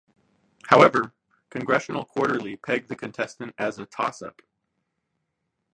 However, Congressional Quarterly pegged the contest as a "Toss-up".